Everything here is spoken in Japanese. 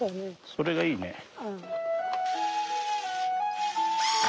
それがいいね。